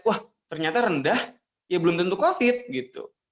wah ternyata rendah ya belum tentu covid gitu